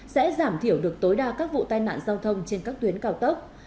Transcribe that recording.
sẽ giảm thiểu được tối đa các vụ tai nạn giao thông trên các tuyến cao tốc